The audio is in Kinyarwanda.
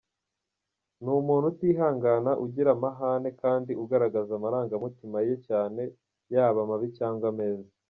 Ni umuntu utihangana, ugira amahane kandi ugaragaza amarangamutima ye cyane yaba mabi cyangwa meza.